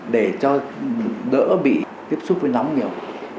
để cho đỡ bị tiếp xúc với nóng nhiều